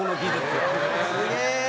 すげえ！